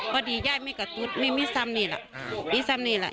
พอดีย่ายไม่กระตุ๊ดไม่มีสำนีล่ะมีสำนีล่ะ